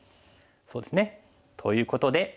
そうですね。ということで。